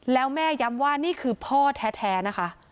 แล้วแม่ย้ำว่านี่คือพ่อแท้นะคะ